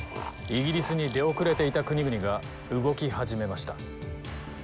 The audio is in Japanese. イギリスに出遅れていた国々が動き始めました。